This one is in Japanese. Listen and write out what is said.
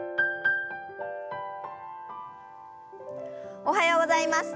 おはようございます。